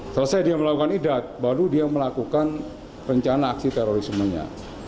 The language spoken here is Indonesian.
selesai dia melakukan edat baru dia melakukan rencana aksi teroris semuanya